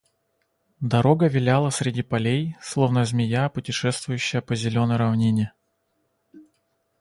Дорога виляла среди полей, словно змея, путешествующая по зеленой равнине.